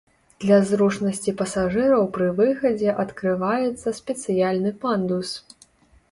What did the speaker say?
Для зручнасці пасажыраў пры выхадзе адкрываецца спецыяльны пандус.